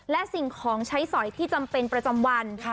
และสิ่งของใช้สอยที่จำเป็นประจำวัน